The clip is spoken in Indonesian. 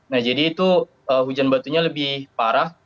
nah jadi itu hujan batunya lebih parah